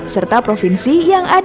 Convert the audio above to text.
serta provinsi yang terbaik